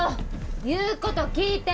言うこと聞いて。